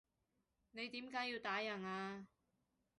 你點解要打人啊？